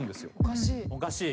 おかしい。